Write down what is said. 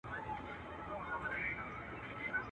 o بېزاره دي له خيره، سپي دي در گرځوه.